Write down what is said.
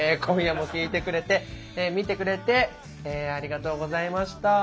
今夜も聴いてくれて見てくれてありがとうございました。